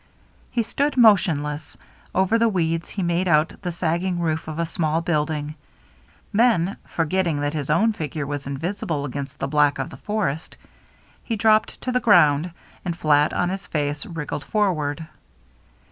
He stood motionless. Over the weeds he made out the sagging roof of a small building. Then, forgetting that his own figure was invis ible against the black of the forest, he dropped to the ground and, flat on his face, wriggled forward.